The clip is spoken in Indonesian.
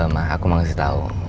ma aku mau kasih tau